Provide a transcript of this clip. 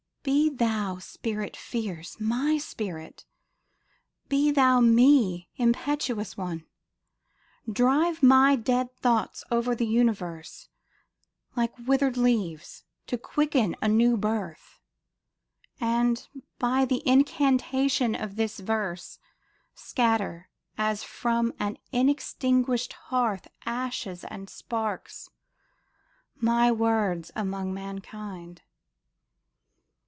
Be thou, Spirit fierce, My spirit ! Be thou me, impetuous one ! Drive my dead thoughts over the universe Like withered leaves to quicken a new birth ! And, by the incantation of this verse, Scatter, as from an unextinguished hearth Ashes and sparks, my words among mankind